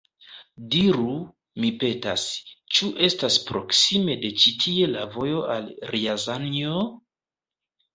Diru, mi petas, ĉu estas proksime de ĉi tie la vojo al Rjazanjo?